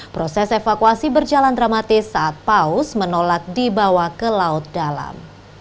proses evakuasi berjalan dramatis saat paus menolak dibawa ke laut dalam